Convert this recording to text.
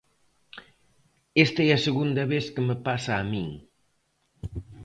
Esta é a segunda vez que me pasa a min.